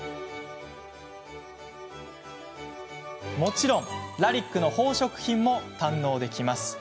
もちろん、ラリックの宝飾品も堪能できます。